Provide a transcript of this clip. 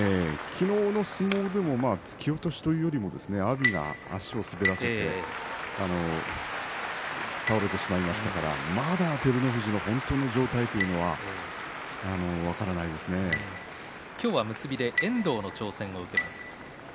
昨日の相撲でも突き落としというよりも阿炎が足を滑らせて倒れてしまいましたからまだ照ノ富士の本当の状態というのは今日は結びで遠藤の挑戦を受けます。